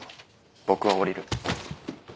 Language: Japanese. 僕は降りる。